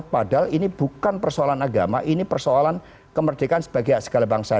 padahal ini bukan persoalan agama ini persoalan kemerdekaan sebagai segala bangsa